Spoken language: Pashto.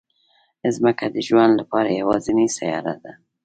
ځمکه د ژوند لپاره یوازینی سیاره ده